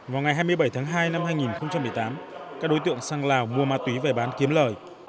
vào ngày hai mươi bảy tháng hai năm hai nghìn một mươi tám các đối tượng sang lào mua ma túy về bán kiếm lời